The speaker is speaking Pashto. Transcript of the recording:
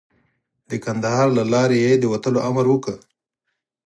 د کندهار له لارې یې د وتلو امر وکړ.